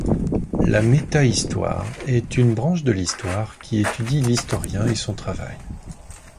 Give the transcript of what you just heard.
La métahistoire est une branche de l'histoire qui étudie l'historien et son travail.